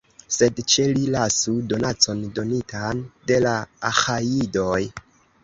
Sed ĉe li lasu donacon, donitan de la Aĥajidoj.